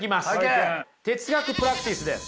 哲学プラクティスです。